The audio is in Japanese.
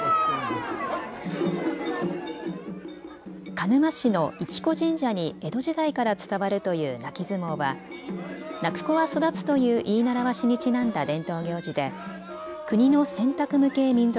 鹿沼市の生子神社に江戸時代から伝わるという泣き相撲は泣く子は育つという言い習わしにちなんだ伝統行事で国の選択無形民俗